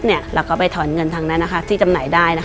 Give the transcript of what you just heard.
เราก็ไปถอนเงินทางนั้นที่จำหน่ายได้